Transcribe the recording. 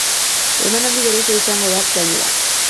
Emanaldi berezia izango da, gainera.